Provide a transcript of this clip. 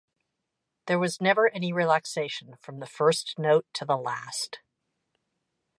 There was never any relaxation from the first note to the last.